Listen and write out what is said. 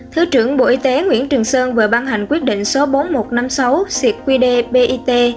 thứ trưởng bộ y tế nguyễn trường sơn vừa ban hành quyết định số bốn nghìn một trăm năm mươi sáu qdpit